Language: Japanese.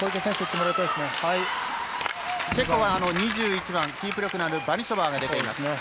チェコは２１番キープ力のあるバニショバーが出ています。